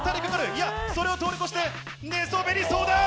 いやそれを通り越して寝そべりそうだ！